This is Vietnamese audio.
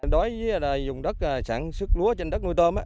đối với dùng đất sản xuất lúa trên đất nuôi tôm